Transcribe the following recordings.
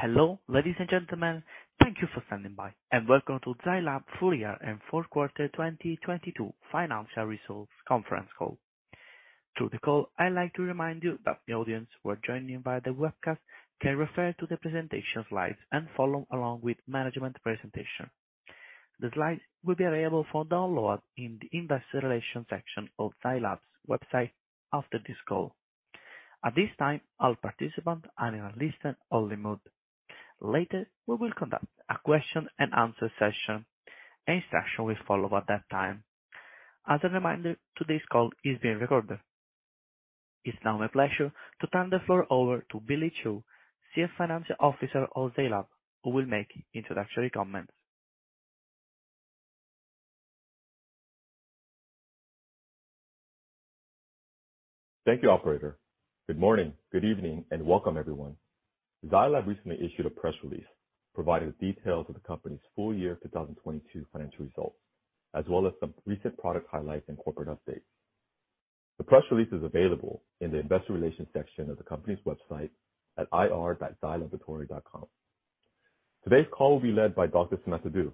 Hello, ladies and gentlemen. Thank you for standing by, and welcome to Zai Lab full year and Q4 2022 financial results conference call. Through the call, I'd like to remind you that the audience who are joining via the webcast can refer to the presentation slides and follow along with management presentation. The slides will be available for download in the investor relations section of Zai Lab's website after this call. At this time, all participants are in a listen-only mode. Later, we will conduct a question-and-answer session. An instruction will follow at that time. As a reminder, today's call is being recorded. It's now my pleasure to turn the floor over to Billy Cho, Chief Financial Officer of Zai Lab, who will make introductory comments. Thank you, operator. Good morning, good evening, and welcome everyone. Zai Lab recently issued a press release providing the details of the company's full year 2022 financial results, as well as some recent product highlights and corporate updates. The press release is available in the investor relations section of the company's website at ir.zailaboratory.com. Today's call will be led by Dr. Samantha Du,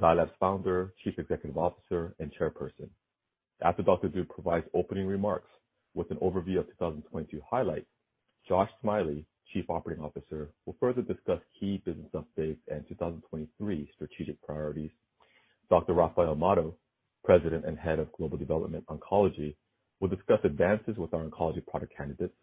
Zai Lab's Founder, Chief Executive Officer and Chairperson. After Dr. Du provides opening remarks with an overview of 2022 highlights, Josh Smiley, Chief Operating Officer, will further discuss key business updates and 2023 strategic priorities. Dr. Rafael Amado, President and Head of Global Development, Oncology, will discuss advances with our oncology product candidates.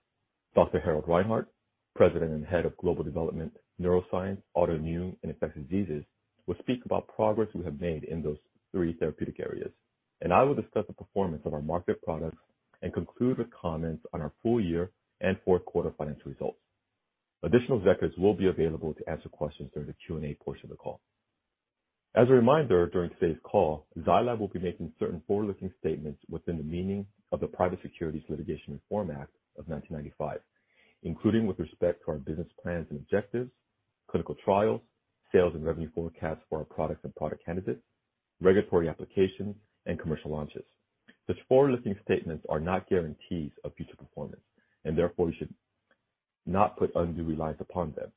Dr. Harald Reinhart, President and Head of Global Development, Neuroscience, Autoimmune and Infectious Diseases, will speak about progress we have made in those three therapeutic areas. I will discuss the performance of our market products and conclude with comments on our full year and Q4 financial results. Additional executives will be available to answer questions during the Q&A portion of the call. As a reminder, during today's call, Zai Lab will be making certain forward-looking statements within the meaning of the Private Securities Litigation Reform Act of 1995, including with respect to our business plans and objectives, clinical trials, sales and revenue forecasts for our products and product candidates, regulatory applications, and commercial launches. These forward-looking statements are not guarantees of future performance, and therefore you should not put undue reliance upon them.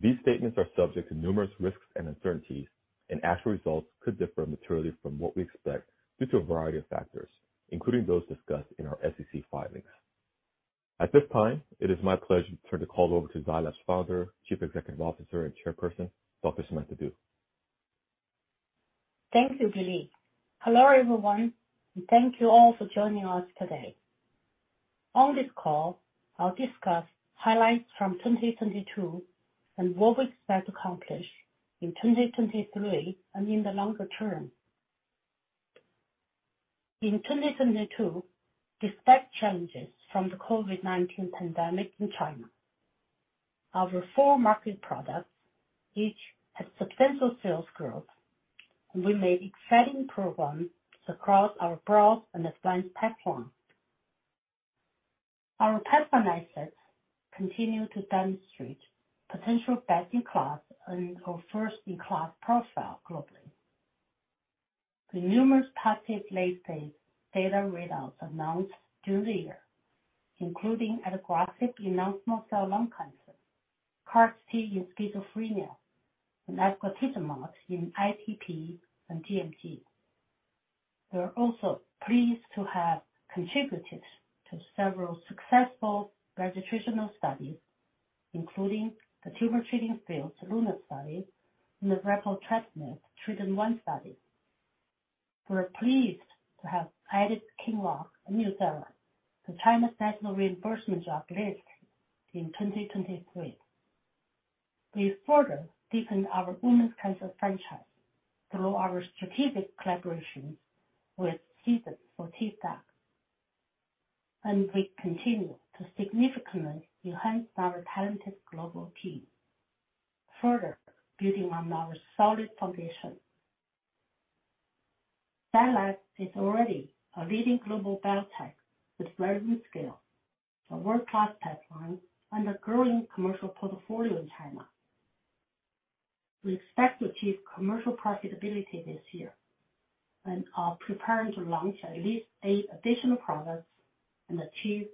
These statements are subject to numerous risks and uncertainties, and actual results could differ materially from what we expect due to a variety of factors, including those discussed in our SEC filings. At this time, it is my pleasure to turn the call over to Zai Lab's Founder, Chief Executive Officer and Chairperson, Dr. Samantha Du. Thank you, Billy. Hello, everyone, thank you all for joining us today. On this call, I'll discuss highlights from 2022 and what we expect to accomplish in 2023 and in the longer term. In 2022, despite challenges from the COVID-19 pandemic in China, our four market products each had substantial sales growth, and we made exciting progress across our broad and advanced platform. Our pipeline assets continue to demonstrate potential best-in-class and, or first-in-class profile globally. The numerous positive late-phase data readouts announced during the year, including adagrasib in non-small cell lung cancer, CAR T in schizophrenia, and efgartigimod in ITP and TMT. We are also pleased to have contributed to several successful registrational studies, including the Tumor Treating Fields LUNAR study and the repotrectinib TRIDENT-1 study. We're pleased to have added QINLOCK NUZYRA to China's National Reimbursement Drug List in 2023. We further deepened our women's cancer franchise through our strategic collaborations with Seagen for TFAB, and we continue to significantly enhance our talented global team, further building on our solid foundation. Zai Lab is already a leading global biotech with very good scale, a world-class pipeline, and a growing commercial portfolio in China. We expect to achieve commercial profitability this year and are preparing to launch at least 8 additional products and achieve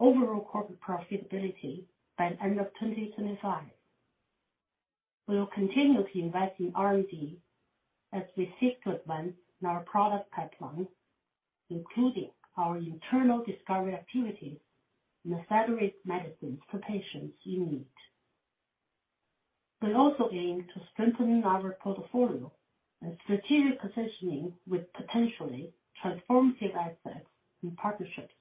overall corporate profitability by end of 2025. We will continue to invest in R&D as we seek to advance our product pipeline, including our internal discovery activities in the federated medicines for patients in need. We also aim to strengthening our portfolio and strategic positioning with potentially transformative assets and partnerships.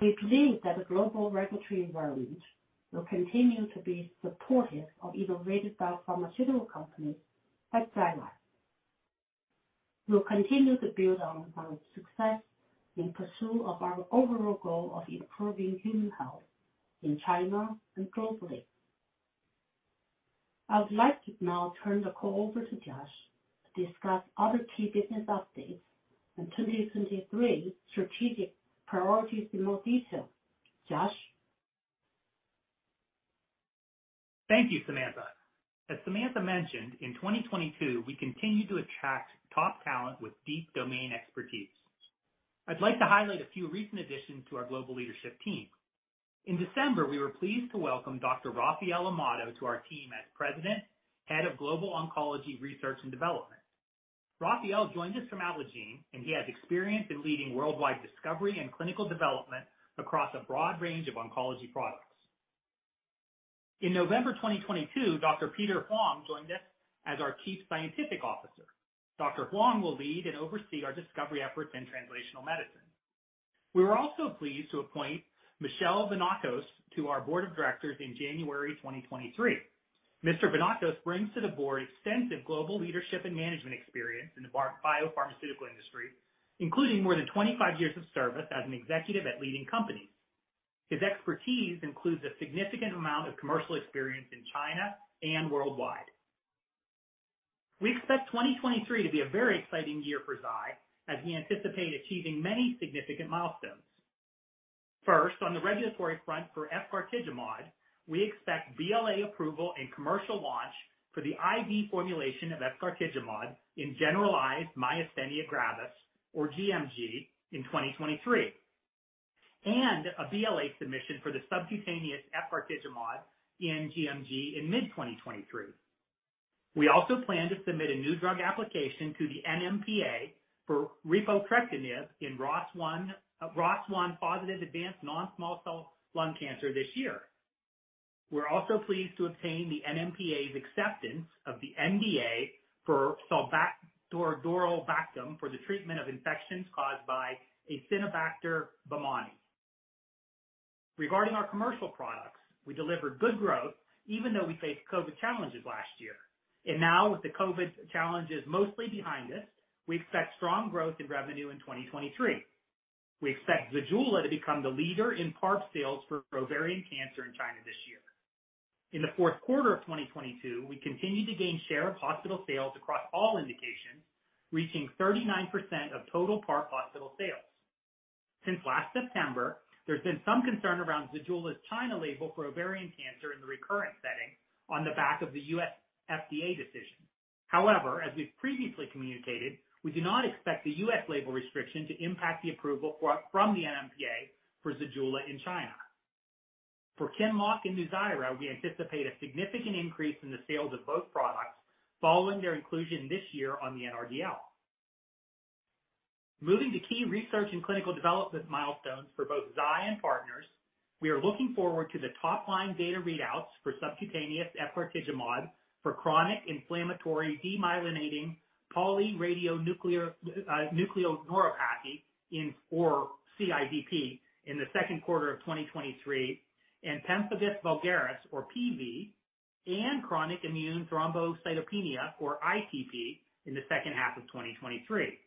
We believe that the global regulatory environment will continue to be supportive of innovative biopharmaceutical companies like Zai Lab. We'll continue to build on our success in pursuit of our overall goal of improving human health in China and globally. I would like to now turn the call over to Josh to discuss other key business updates and 2023 strategic priorities in more detail. Josh? Thank you, Samantha. As Samantha mentioned, in 2022, we continued to attract top talent with deep domain expertise. I'd like to highlight a few recent additions to our global leadership team. In December, we were pleased to welcome Dr. Rafael Amado to our team as President, Head of Global Oncology Research and Development. Rafael joined us from Allogene, and he has experience in leading worldwide discovery and clinical development across a broad range of oncology products. In November 2022, Dr. Peter Huang joined us as our Chief Scientific Officer. Dr. Huang will lead and oversee our discovery efforts in translational medicine. We were also pleased to appoint Michel Vounatsos to our board of directors in January 2023. Mr. Vounatsos brings to the board extensive global leadership and management experience in the biopharmaceutical industry, including more than 25 years of service as an executive at leading companies. His expertise includes a significant amount of commercial experience in China and worldwide. We expect 2023 to be a very exciting year for Zai as we anticipate achieving many significant milestones. First, on the regulatory front for efgartigimod, we expect BLA approval and commercial launch for the IV formulation of efgartigimod in generalized myasthenia gravis, or gMG, in 2023, and a BLA submission for the subcutaneous efgartigimod in gMG in mid-2023. We also plan to submit a new drug application to the NMPA for repotrectinib in ROS1-positive advanced non-small cell lung cancer this year. We're also pleased to obtain the NMPA's acceptance of the NDA for sulbactam-durlobactam for the treatment of infections caused by Acinetobacter baumannii. Regarding our commercial products, we delivered good growth even though we faced COVID challenges last year. Now, with the COVID challenges mostly behind us, we expect strong growth in revenue in 2023. We expect ZEJULA to become the leader in PARP sales for ovarian cancer in China this year. In the Q4 of 2022, we continued to gain share of hospital sales across all indications, reaching 39% of total PARP hospital sales. Since last September, there's been some concern around ZEJULA's China label for ovarian cancer in the recurrent setting on the back of the FDA decision. As we've previously communicated, we do not expect the US label restriction to impact the approval from the NMPA for ZEJULA in China. For QINLOCK and NUZYRA, we anticipate a significant increase in the sales of both products following their inclusion this year on the NRDL. Moving to key research and clinical development milestones for both Zai and partners, we are looking forward to the top-line data readouts for subcutaneous efgartigimod for chronic inflammatory demyelinating polyradiculoneuropathy, or CIDP in the Q2 of 2023 and pemphigus vulgaris or PV and chronic immune thrombocytopenia or ITP in the second half of 2023.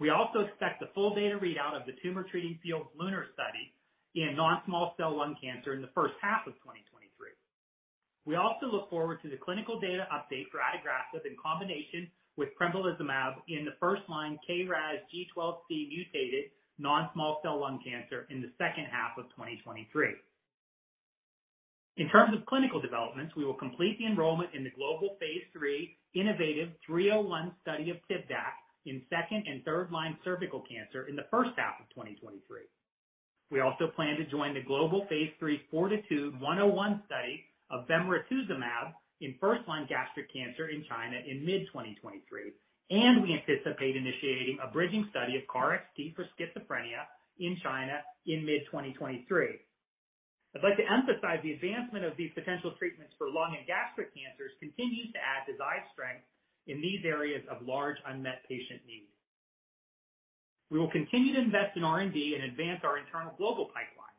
We also expect the full data readout of the Tumor Treating Fields LUNAR study in non-small cell lung cancer in the first half of 2023. We also look forward to the clinical data update for adagrasib in combination with pembrolizumab in the first-line KRAS G12C-mutated non-small cell lung cancer in the second half of 2023. In terms of clinical developments, we will complete the enrollment in the global phaseIII innovaTV 301 We also plan to join the global phase III FORTITUDE-101 study of bemarituzumab in first-line gastric cancer in China in mid-2023. We anticipate initiating a bridging study of KarXT for schizophrenia in China in mid-2023. I'd like to emphasize the advancement of these potential treatments for lung and gastric cancers continues to add design strength in these areas of large unmet patient need. We will continue to invest in R&D and advance our internal global pipeline.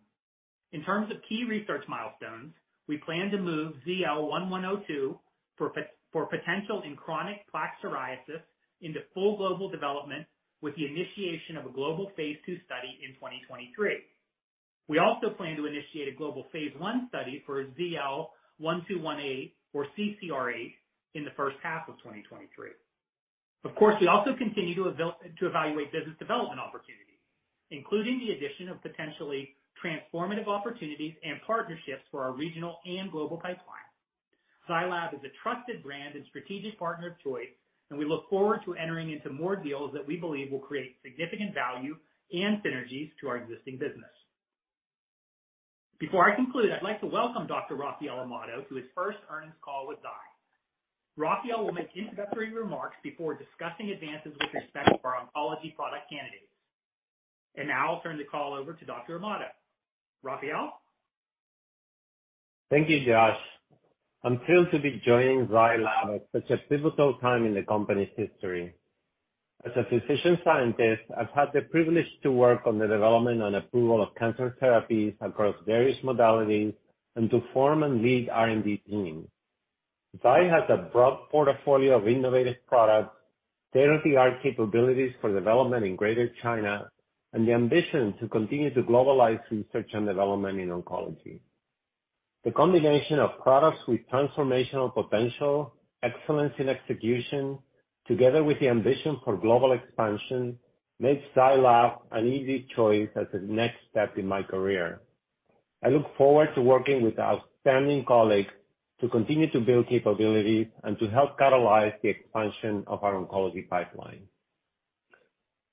In terms of key research milestones, we plan to move ZL-1102 for potential in chronic plaque psoriasis into full global development with the initiation of a phase II study in 2023. We also plan to initiate a phase I study for ZL-1218 for CCR8 in the first half of 2023. Of course, we also continue to evaluate business development opportunities, including the addition of potentially transformative opportunities and partnerships for our regional and global pipeline. Zai Lab is a trusted brand and strategic partner of choice, we look forward to entering into more deals that we believe will create significant value and synergies to our existing business. Before I conclude, I'd like to welcome Dr. Rafael Amado to his first earnings call with Zai Lab. Rafael will make introductory remarks before discussing advances with respect to our oncology product candidates. Now I'll turn the call over to Dr. Amado. Rafael? Thank you, Josh. I'm thrilled to be joining Zai Lab at such a pivotal time in the company's history. As a physician-scientist, I've had the privilege to work on the development and approval of cancer therapies across various modalities and to form and lead R&D teams. Zai has a broad portfolio of innovative products, state-of-the-art capabilities for development in Greater China, and the ambition to continue to globalize research and development in oncology. The combination of products with transformational potential, excellence in execution, together with the ambition for global expansion, makes Zai Lab an easy choice as the next step in my career. I look forward to working with outstanding colleagues to continue to build capabilities and to help catalyze the expansion of our oncology pipeline.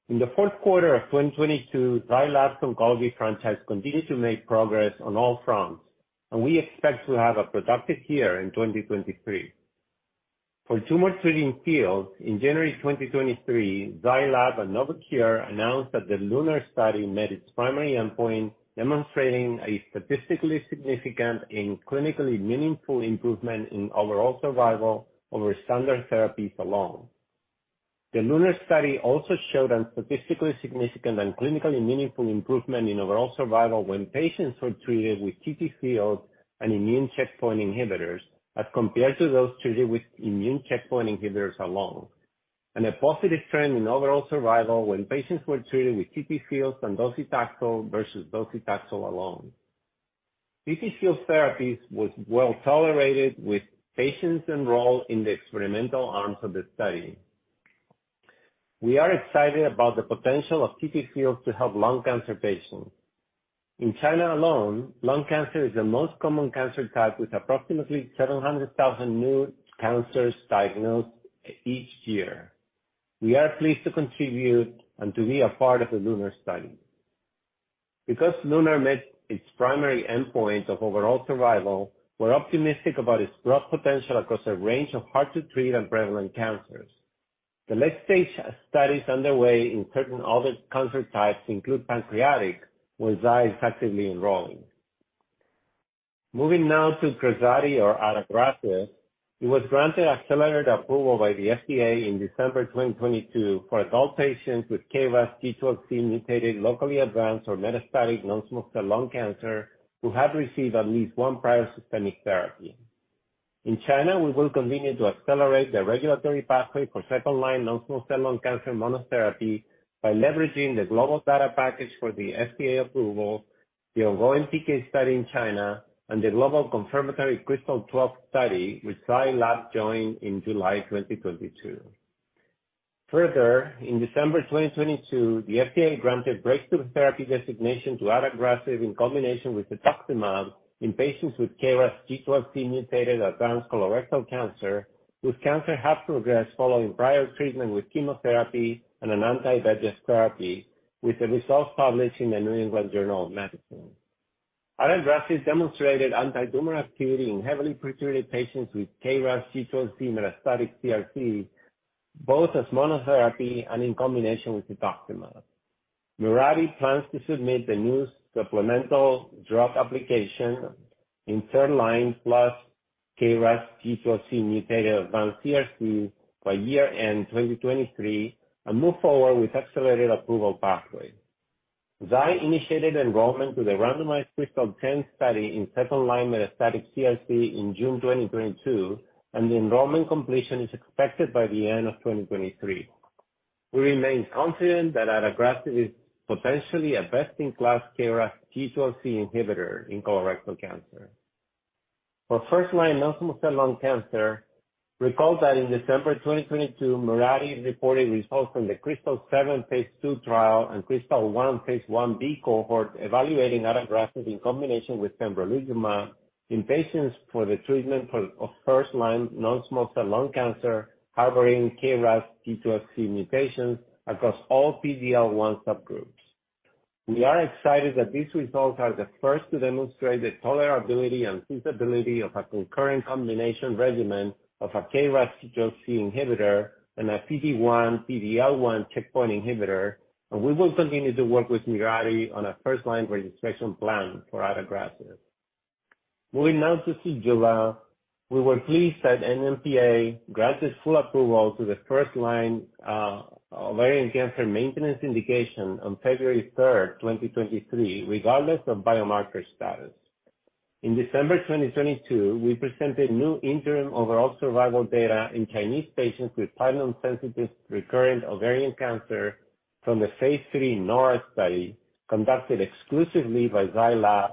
In the Q4 of 2022, Zai Lab's oncology franchise continued to make progress on all fronts. We expect to have a productive year in 2023. For Tumor Treating Fields, in January 2023, Zai Lab and Novocure announced that the LUNAR study met its primary endpoint, demonstrating a statistically significant and clinically meaningful improvement in overall survival over standard therapies alone. The LUNAR study also showed a statistically significant and clinically meaningful improvement in overall survival when patients were treated with TTFields and immune checkpoint inhibitors as compared to those treated with immune checkpoint inhibitors alone. A positive trend in overall survival when patients were treated with TTFields and docetaxel versus docetaxel alone. TTFields therapies was well-tolerated with patients enrolled in the experimental arms of the study. We are excited about the potential of TTFields to help lung cancer patients. In China alone, lung cancer is the most common cancer type, with approximately 700,000 new cancers diagnosed each year. We are pleased to contribute and to be a part of the LUNAR study. LUNAR met its primary endpoint of overall survival, we're optimistic about its growth potential across a range of hard to treat and prevalent cancers. The late-stage studies underway in certain other cancer types include pancreatic, where Zai is actively enrolling. Moving now to Grazoprevir or Adagrasib. It was granted accelerated approval by the FDA in December 2022 for adult patients with KRAS G12C-mutated, locally advanced or metastatic non-small cell lung cancer who have received at least one prior systemic therapy. In China, we will continue to accelerate the regulatory pathway for second-line non-small cell lung cancer monotherapy by leveraging the global data package for the FDA approval, the ongoing PK study in China, and the global confirmatory KRYSTAL-12 study which Zai Lab joined in July 2022. In December 2022, the FDA granted breakthrough therapy designation to adagrasib in combination with cetuximab in patients with KRAS G12C-mutated advanced colorectal cancer, whose cancer has progressed following prior treatment with chemotherapy and an anti-VEGF therapy, with the results published in the New England Journal of Medicine. Adagrasib demonstrated anti-tumor activity in heavily pre-treated patients with KRAS G12C metastatic CRC, both as monotherapy and in combination with cetuximab. Mirati plans to submit the new supplemental drug application in third line plus KRAS G12C-mutated advanced CRC by year end 2023, and move forward with accelerated approval pathway. Zai initiated enrollment to the randomized KRYSTAL-10 study in second-line metastatic CRC in June 2022, and the enrollment completion is expected by the end of 2023. We remain confident that adagrasib is potentially a best-in-class KRAS G12C inhibitor in colorectal cancer. For first-line non-small cell lung cancer, recall that in December 2022, Mirati reported results from the KRYSTAL-7 phase II trial and KRYSTAL-1 phase Ib cohort evaluating adagrasib in combination with pembrolizumab in patients for the treatment of first-line non-small cell lung cancer harboring KRAS G12C mutations across all PD-L1 subgroups. We are excited that these results are the first to demonstrate the tolerability and feasibility of a concurrent combination regimen of a KRAS G12C inhibitor and a PD-1, PD-L1 checkpoint inhibitor, and we will continue to work with Mirati on a first-line registration plan for adagrasib. Moving now to Zejula, we were pleased that NMPA granted full approval to the first-line ovarian cancer maintenance indication on February 3rd, 2023, regardless of biomarker status. In December 2022, we presented new interim overall survival data in Chinese patients with platinum-sensitive recurrent ovarian cancer from the phase III NORA study conducted exclusively by Zai Lab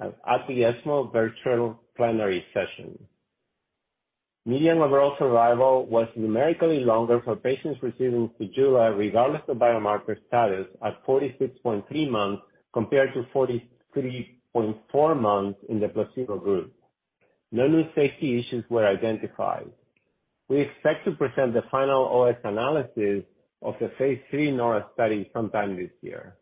at the ESMO Virtual Plenary Session. Median overall survival was numerically longer for patients receiving Zejula regardless of biomarker status at 46.3 months, compared to 43.4 months in the placebo group. No new safety issues were identified. We expect to present the final OS analysis of the phase III NORA study sometime this year.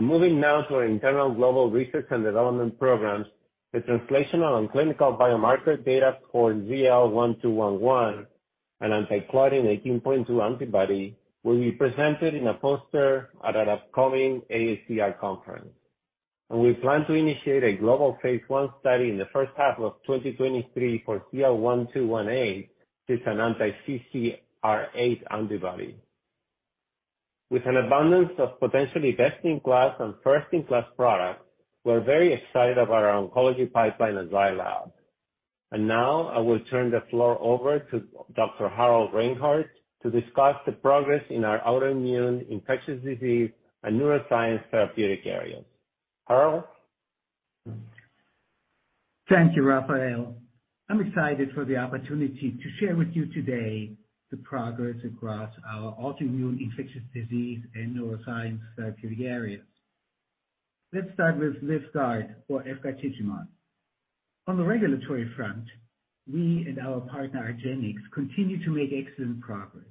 Moving now to our internal global research and development programs, the translational and clinical biomarker data for ZL-1211, an anti-claudin 18.2 antibody, will be presented in a poster at an upcoming AACR conference. We plan to initiate a global phase I study in the first half of 2023 for ZL-1218. It's an anti-CCR8 antibody. With an abundance of potentially best-in-class and first-in-class products, we're very excited about our oncology pipeline at Zai Lab. Now I will turn the floor over to Dr. Harald Reinhart to discuss the progress in our autoimmune infectious disease and neuroscience therapeutic areas. Harald? Thank you, Rafael. I'm excited for the opportunity to share with you today the progress across our autoimmune infectious disease and neuroscience therapeutic areas. Let's start with VYVGART for efgartigimod. On the regulatory front, we and our partner, argenx, continue to make excellent progress.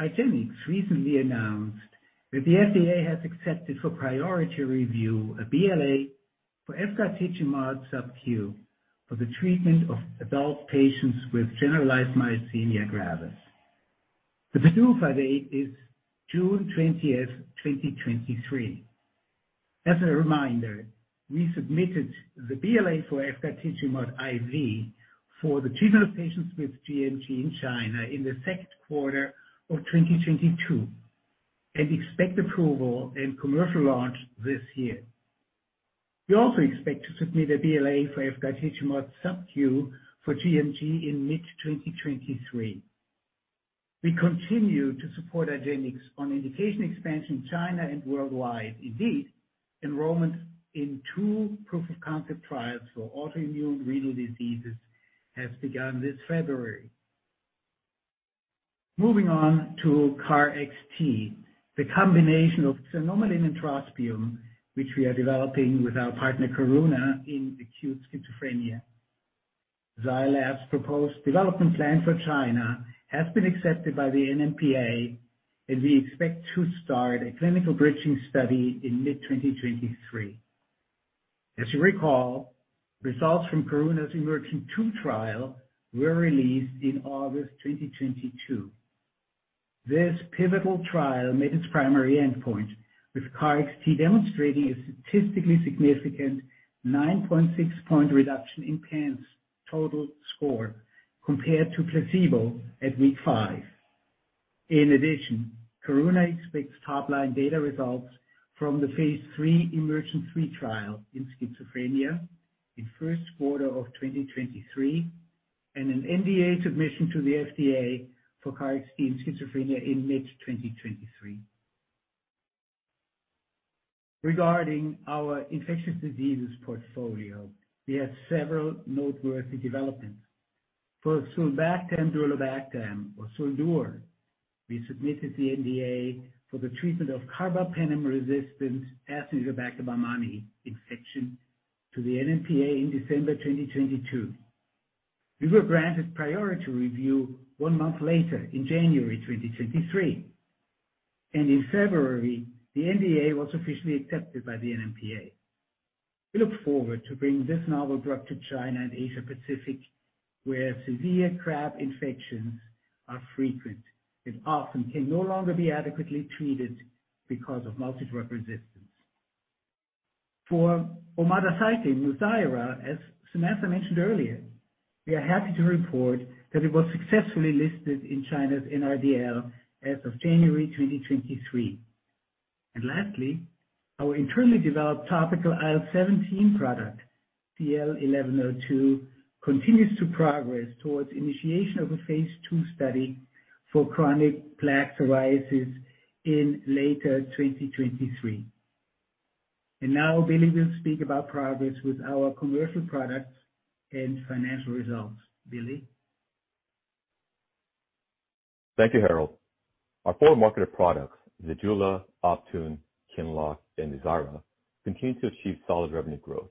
argenx recently announced that the FDA has accepted for priority review a BLA for efgartigimod subQ for the treatment of adult patients with generalized myasthenia gravis. The PDUFA date is June 20, 2023. As a reminder, we submitted the BLA for efgartigimod IV for the treatment of patients with gMG in China in the Q2 of 2022, and expect approval and commercial launch this year. We also expect to submit a BLA for efgartigimod subQ for gMG in mid 2023. We continue to support argenx on indication expansion China and worldwide. Indeed, enrollment in two proof of concept trials for autoimmune renal diseases has begun this February. Moving on to KarXT, the combination of xanomeline and trospium, which we are developing with our partner Karuna in acute schizophrenia. Zai Lab's proposed development plan for China has been accepted by the NMPA. We expect to start a clinical bridging study in mid-2023. As you recall, results from Karuna's EMERGENT-2 trial were released in August 2022. This pivotal trial made its primary endpoint, with KarXT demonstrating a statistically significant 9.6-point reduction in PANSS total score compared to placebo at week five. Karuna expects top-line data results from the phase III EMERGENT-3 trial in schizophrenia in Q1 of 2023. An NDA submission to the FDA for KarXT in schizophrenia in mid-2023. Regarding our infectious diseases portfolio, we have several noteworthy developments. For sulbactam-durlobactam or SUL-DUR, we submitted the NDA for the treatment of carbapenem-resistant Acinetobacter baumannii infection to the NMPA in December 2022. We were granted priority review one month later in January 2023, and in February, the NDA was officially accepted by the NMPA. We look forward to bringing this novel drug to China and Asia Pacific, where severe CRAB infections are frequent and often can no longer be adequately treated because of multi-drug resistance. For omadacycline, NUZYRA, as Samantha mentioned earlier, we are happy to report that it was successfully listed in China's NRDL as of January 2023. Lastly, our internally developed to pical IL-17 product, PL-1102, continues to progress towards initiation of a phase II study for chronic plaque psoriasis in later 2023. Now Billy will speak about progress with our commercial products and financial results. Billy? Thank you, Harald. Our full market of products, ZEJULA, Optune, QINLOCK, and NUZYRA, continue to achieve solid revenue growth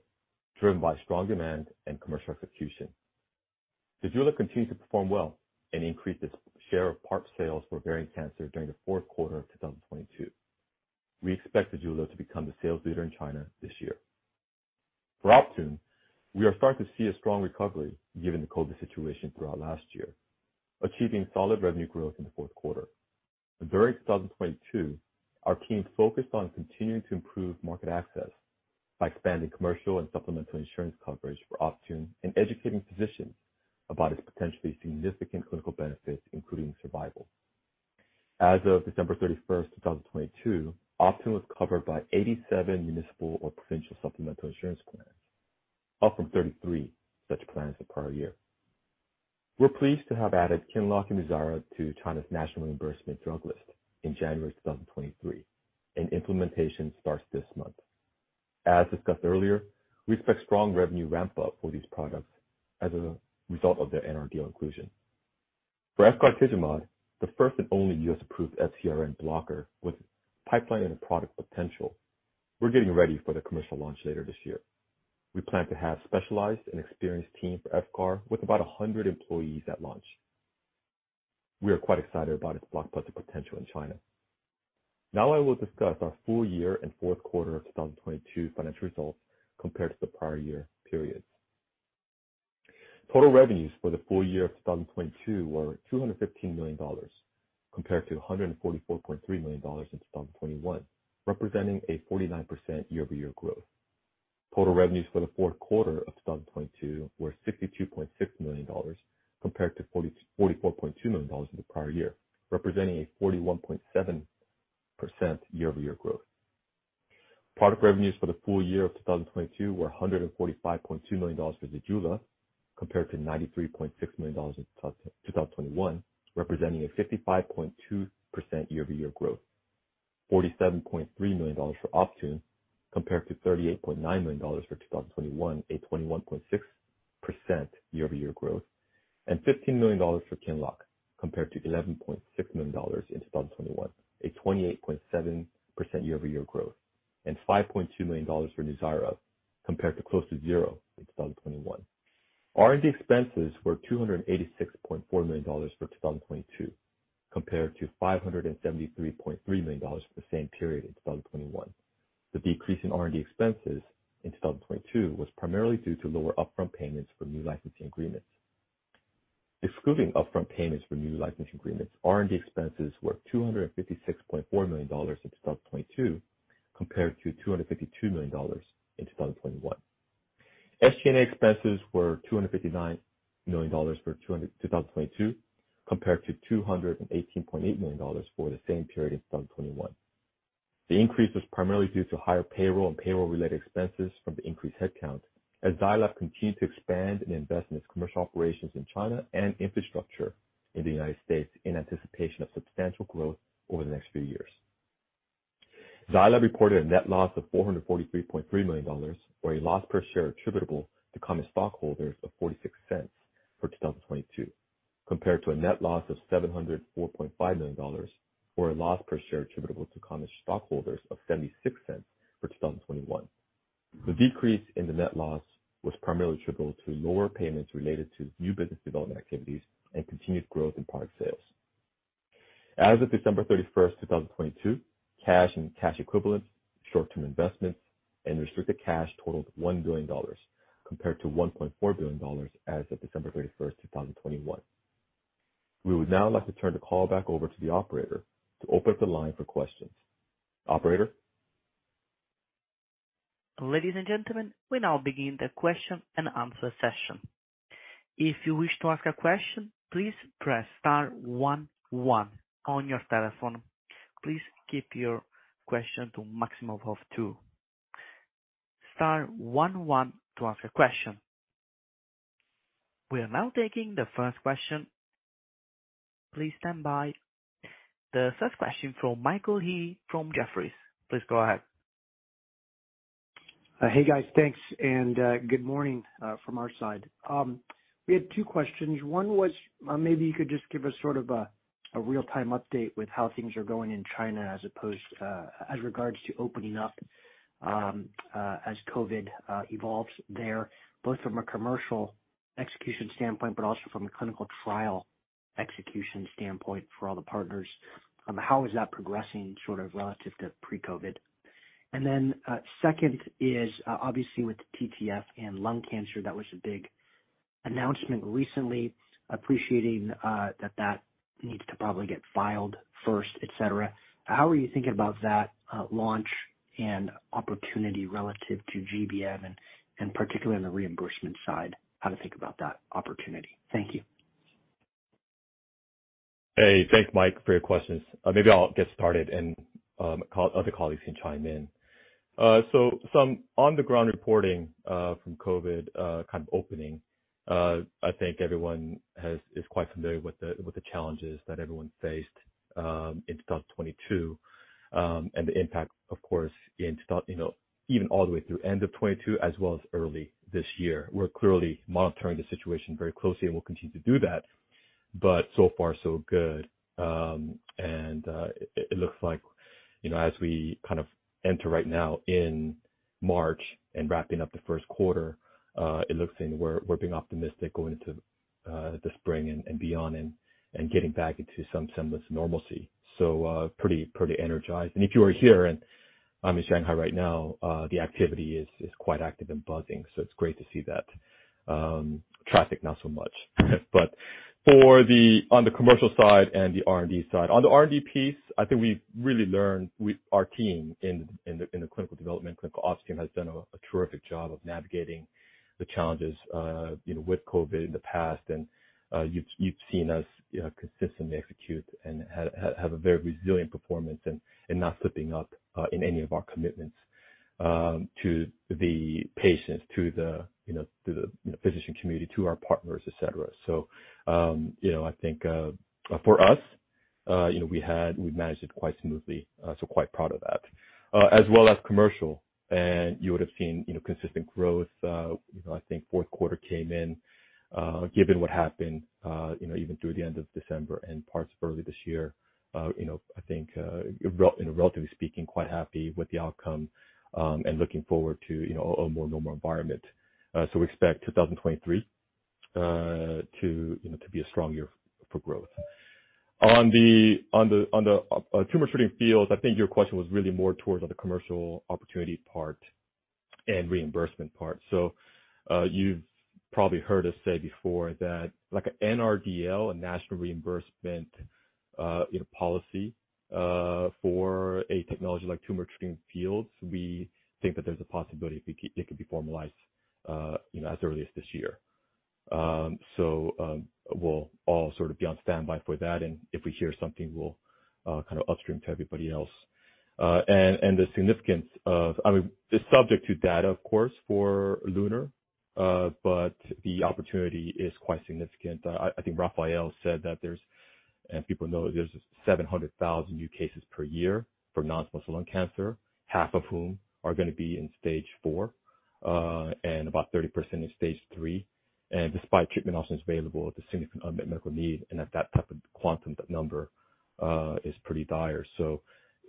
driven by strong demand and commercial execution. ZEJULA continues to perform well and increase its share of PARP sales for ovarian cancer during the Q4 of 2022. We expect ZEJULA to become the sales leader in China this year. For Optune, we are starting to see a strong recovery given the COVID situation throughout last year, achieving solid revenue growth in the Q4. During 2022, our team focused on continuing to improve market access by expanding commercial and supplemental insurance coverage for Optune and educating physicians about its potentially significant clinical benefits, including survival. As of December 31, 2022, Optune was covered by 87 municipal or provincial supplemental insurance plans, up from 33 such plans the prior year. We're pleased to have added QINLOCK and NUZYRA to China's National Reimbursement Drug List in January 2023, and implementation starts this month. As discussed earlier, we expect strong revenue ramp-up for these products as a result of their NRDL inclusion. For efgartigimod, the first and only US-approved FcRn blocker with pipeline and product potential, we're getting ready for the commercial launch later this year. We plan to have specialized and experienced team for Efgar with about 100 employees at launch. We are quite excited about its blockbuster potential in China. Now I will discuss our full year and Q4 of 2022 financial results compared to the prior year periods. Total revenues for the full year of 2022 were $215 million, compared to $144.3 million in 2021, representing a 49% year-over-year growth. Total revenues for the Q4 of 2022 were $62.6 million, compared to $44.2 million in the prior year, representing a 41.7% year-over-year growth. Product revenues for the full year of 2022 were $145.2 million for ZEJULA, compared to $93.6 million in 2021, representing a 55.2% year-over-year growth. $47.3 million for Optune compared to $38.9 million for 2021, a 21.6% year-over-year growth. $15 million for QINLOCK compared to $11.6 million in 2021, a 28.7% year-over-year growth. $5.2 million for NUZYRA compared to close to zero in 2021. R&D expenses were $286.4 million for 2022 compared to $573.3 million for the same period in 2021. The decrease in R&D expenses in 2022 was primarily due to lower upfront payments for new licensing agreements. Excluding upfront payments for new licensing agreements, R&D expenses were $256.4 million in 2022 compared to $252 million in 2021. SG&A expenses were $259 million for 2022 compared to $218.8 million for the same period in 2021. The increase was primarily due to higher payroll and payroll-related expenses from the increased headcount as Zai Lab continue to expand and invest in its commercial operations in China and infrastructure in the United States in anticipation of substantial growth over the next few years. Zai Lab reported a net loss of $443.3 million or a loss per share attributable to common stockholders of $0.46 for 2022, compared to a net loss of $704.5 million or a loss per share attributable to common stockholders of $0.76 for 2021. The decrease in the net loss was primarily attributable to lower payments related to new business development activities and continued growth in product sales. As of December 31, 2022, cash and cash equivalents, short term investments and restricted cash totaled $1 billion compared to $1.4 billion as of December 31, 2021. We would now like to turn the call back over to the operator to open up the line for questions. Operator? Ladies and gentlemen, we now begin the question and answer session. If you wish to ask a question, please press star one one on your telephone. Please keep your question to maximum of two. Star one one to ask a question. We are now taking the first question. Please stand by. The first question from Michael Yee from Jefferies. Please go ahead. Hey, guys. Thanks. Good morning from our side. We had two questions. One was, maybe you could just give us sort of a real-time update with how things are going in China as opposed as regards to opening up as Covid evolves there, both from a commercial execution standpoint but also from a clinical trial execution standpoint for all the partners. How is that progressing sort of relative to pre-Covid? Second is obviously with TTF and lung cancer, that was a big announcement recently. Appreciating that needs to probably get filed first, et cetera. How are you thinking about that launch and opportunity relative to GBM and particularly on the reimbursement side, how to think about that opportunity? Thank you. Hey, thanks Mike for your questions. Maybe I'll get started and other colleagues can chime in. Some on the ground reporting from COVID kind of opening. I think everyone is quite familiar with the, with the challenges that everyone faced in 2022. The impact of course in, you know, even all the way through end of 2022 as well as early this year. We're clearly monitoring the situation very closely and we'll continue to do that. So far so good. It looks like, you know, as we kind of enter right now in March and wrapping up the Q1, it looks and we're being optimistic going into the spring and beyond and getting back into some semblance of normalcy. Pretty energized. If you are here and, I'm in Shanghai right now, the activity is quite active and buzzing, so it's great to see that, traffic not so much. On the commercial side and the R&D side. On the R&D piece, I think we've really learned with our team in the, in the clinical development, clinical ops team has done a terrific job of navigating the challenges, you know, with Covid in the past. You've, you've seen us, you know, consistently execute and have a very resilient performance and not slipping up in any of our commitments, to the patients, to the, you know, to the, you know, physician community, to our partners, et cetera. You know, I think for us, you know, we managed it quite smoothly, so quite proud of that. As well as commercial, you would have seen, you know, consistent growth. You know, I think Q4 came in, given what happened, you know, even through the end of December and parts of early this year, you know, I think relatively speaking, quite happy with the outcome, and looking forward to, you know, a more normal environment. We expect 2023 to, you know, to be a strong year for growth. On the Tumor Treating Fields, I think your question was really more towards on the commercial opportunity part and reimbursement part. You've probably heard us say before that like an NRDL, a national reimbursement policy, for a technology like Tumor Treating Fields, we think that there's a possibility it could be, it could be formalized as early as this year. We'll all sort of be on standby for that, and if we hear something, we'll kind of upstream to everybody else. And the significance of it's subject to data of course for LUNAR, but the opportunity is quite significant. I think Rafael said that there's. And people know there's 700,000 new cases per year for non-small cell lung cancer, half of whom are gonna be in stage 4, and about 30% in stage 3. Despite treatment options available, the significant unmet medical need and at that type of quantum number is pretty dire.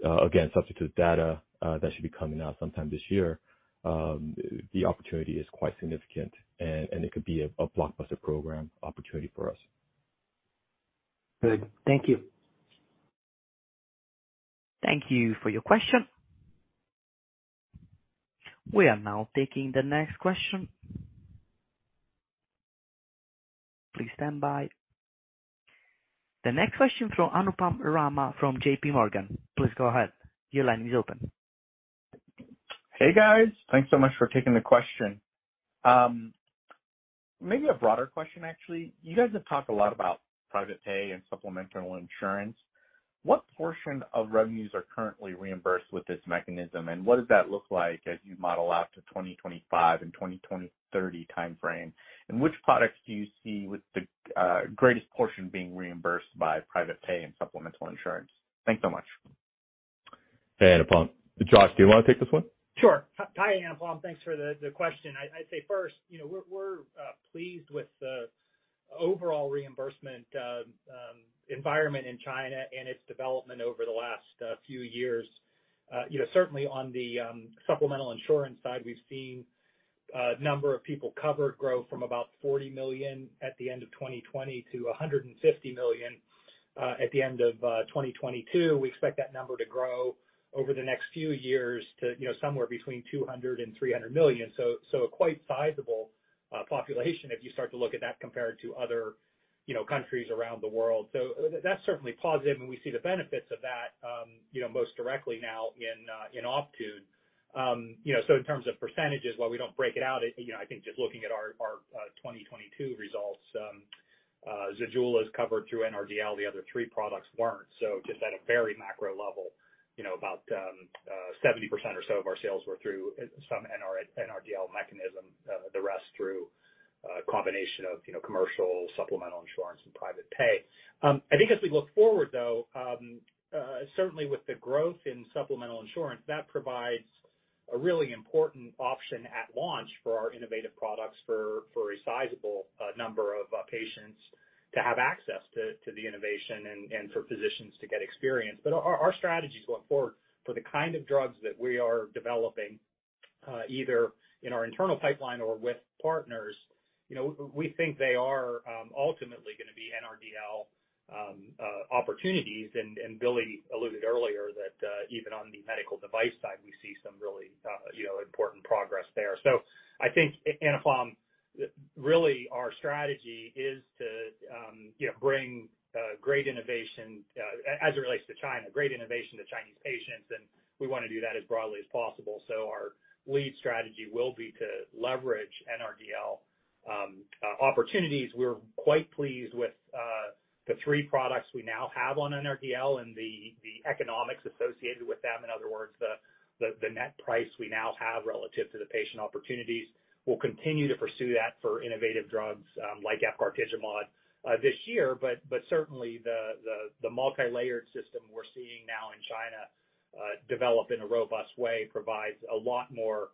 Again, substitute data that should be coming out sometime this year. The opportunity is quite significant and it could be a blockbuster program opportunity for us. Good. Thank you. Thank you for your question. We are now taking the next question. Please stand by. The next question from Anupam Rama from J.P. Morgan. Please go ahead. Your line is open. Hey, guys. Thanks so much for taking the question. Maybe a broader question, actually. You guys have talked a lot about private pay and supplemental insurance. What portion of revenues are currently reimbursed with this mechanism? What does that look like as you model out to 2025 and 2030 timeframe? Which products do you see with the greatest portion being reimbursed by private pay and supplemental insurance? Thanks so much. Hey, Anupam. Josh, do you wanna take this one? Sure. Hi, Anupam. Thanks for the question. I'd say first, you know, we're pleased with the overall reimbursement environment in China and its development over the last few years. You know, certainly on the supplemental insurance side, we've seen a number of people covered grow from about 40 million at the end of 2020 to 150 million at the end of 2022. We expect that number to grow over the next few years to, you know, somewhere between 200 million-300 million. A quite sizable population if you start to look at that compared to other, you know, countries around the world. That's certainly positive, and we see the benefits of that, you know, most directly now in Optune. You know, in terms of percentages, while we don't break it out, you know, I think just looking at our 2022 results, ZEJULA is covered through NRDL, the other three products weren't. Just at a very macro level, you know about 70% or so of our sales were through some NRDL mechanism, the rest through a combination of, you know, commercial supplemental insurance and private pay. I think as we look forward, though, certainly with the growth in supplemental insurance, that provides a really important option at launch for our innovative products for a sizable number of patients to have access to the innovation and for physicians to get experience. Our strategy is going forward for the kind of drugs that we are developing, either in our internal pipeline or with partners, you know, we think they are ultimately gonna be NRDL opportunities. Billy alluded earlier that even on the medical device side, we see some really, you know, important progress there. I think, Anupam, really our strategy is to, you know, bring great innovation, as it relates to China, great innovation to Chinese patients, and we wanna do that as broadly as possible. Our lead strategy will be to leverage NRDL opportunities. We're quite pleased with the 3 products we now have on NRDL and the economics associated with them. In other words, the net price we now have relative to the patient opportunities. We'll continue to pursue that for innovative drugs like efgartigimod this year. Certainly the multilayered system we're seeing now in China develop in a robust way provides a lot more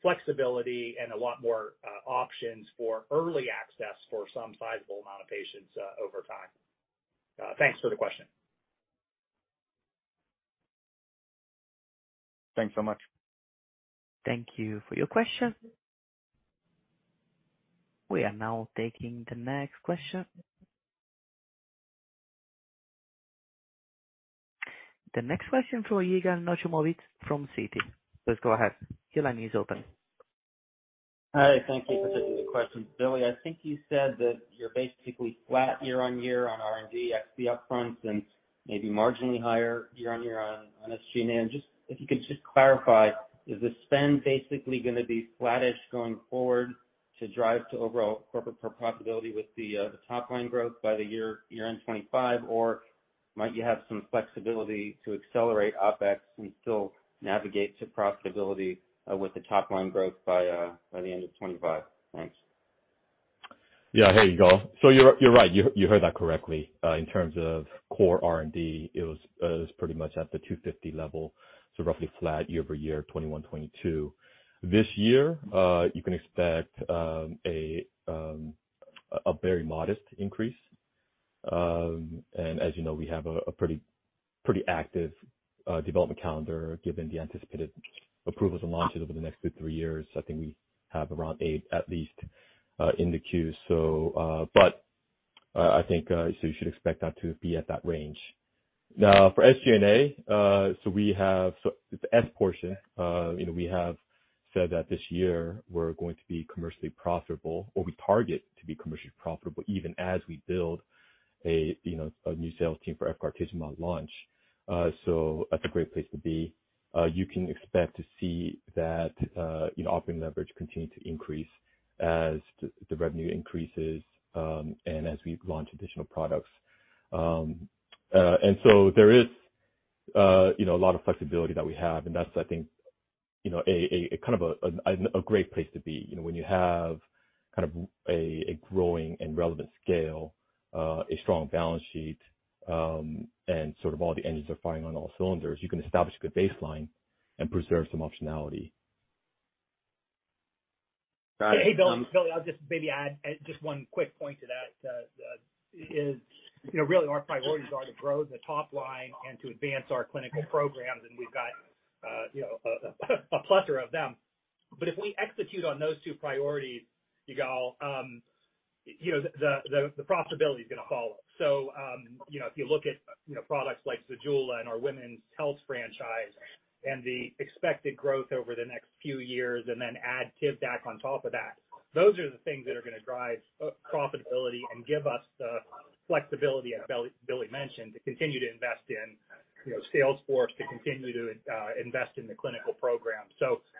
flexibility and a lot more options for early access for some sizable amount of patients, over time. Thanks for the question. Thanks so much. Thank you for your question. We are now taking the next question. The next question from Yigal Nochomovitz from Citi. Please go ahead. Your line is open. Hi. Thank you for taking the question. Billy, I think you said that you're basically flat year-on-year on R&D, OpEx up-fronts and maybe marginally higher year-on-year on SG&A. Just if you could just clarify, is the spend basically gonna be flattish going forward to drive to overall corporate pro-profitability with the top line growth by the year-end 2025? Or might you have some flexibility to accelerate OpEx and still navigate to profitability with the top line growth by the end of 2025? Thanks. Yeah. Hey, Yigal. You're right. You heard that correctly. In terms of core R&D, it was pretty much at the 250 level, roughly flat year-over-year, 2021, 2022. This year, you can expect a very modest increase. As you know, we have a pretty active development calendar, given the anticipated approvals and launches over the next 2, 3 years. I think we have around 8 at least in the queue. I think you should expect that to be at that range. For SG&A, the S portion, you know, we have said that this year we're going to be commercially profitable, or we target to be commercially profitable, even as we build a new sales team for efgartigimod launch. That's a great place to be. You can expect to see that, you know, operating leverage continue to increase as the revenue increases, and as we launch additional products. There is, you know, a lot of flexibility that we have, and that's, I think, you know, a kind of a great place to be. You know, when you have kind of a growing and relevant scale, a strong balance sheet, and sort of all the engines are firing on all cylinders, you can establish a good baseline and preserve some optionality. Got it. Hey, Billy. I'll just maybe add just one quick point to that, is, you know, really our priorities are to grow the top line and to advance our clinical programs, and we've got, you know, a plethora of them. If we execute on those two priorities, you got all, you know, the profitability is gonna follow. If you look at, you know, products like ZEJULA and our women's health franchise and the expected growth over the next few years, and then add TIVDAK on top of that, those are the things that are gonna drive profitability and give us the flexibility that Billy mentioned to continue to invest in, you know, sales force, to continue to invest in the clinical program.